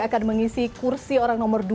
akan mengisi kursi orang nomor dua